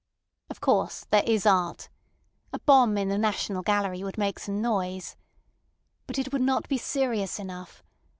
Of course, there is art. A bomb in the National Gallery would make some noise. But it would not be serious enough.